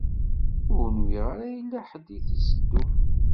Ur nwiɣ ara yella ḥedd i d-iteddun.